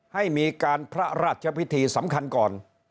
ให้มีการพระราชพิธีสำคัญก่อน